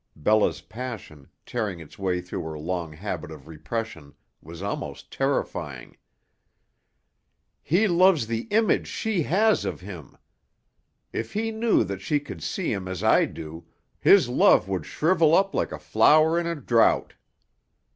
Bella's passion, tearing its way through her long habit of repression, was almost terrifying. "He loves the image she has of him. If he knew that she could see him as I do, his love would shrivel up like a flower in a drought.